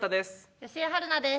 吉江晴菜です。